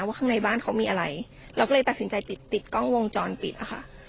ข้างในบ้านเขามีอะไรเราก็เลยตัดสินใจติดติดกล้องวงจรปิดอะค่ะ